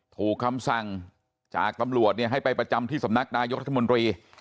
คำสั่งจากตำรวจให้ไปประจำที่สำนักนายกรัฐมนตรี